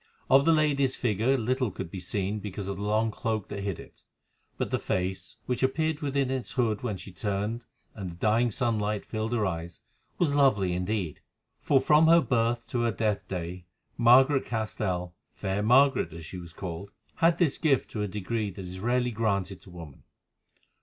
Of the lady's figure little could be seen because of the long cloak that hid it, but the face, which appeared within its hood when she turned and the dying sunlight filled her eyes, was lovely indeed, for from her birth to her death day Margaret Castell—fair Margaret, as she was called—had this gift to a degree that is rarely granted to woman.